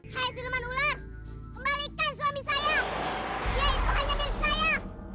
hai siluman ular kembalikan suami saya dia itu hanya milik saya